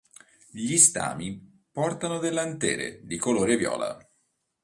Gli stami portano delle antere di colore viola.